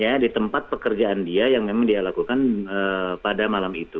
ya di tempat pekerjaan dia yang memang dia lakukan pada malam itu